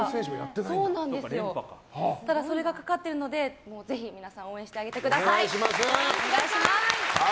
それがかかっているのでぜひ皆さん応援してあげてください。